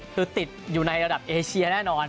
คือติดอยู่ในระดับเอเชียแน่นอน